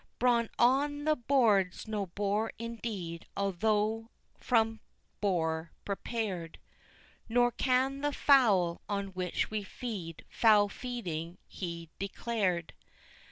Brawn on the board's no bore indeed although from boar prepared; Nor can the fowl, on which we feed, foul feeding he declared.